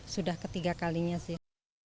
sudah ketiga kalinya sih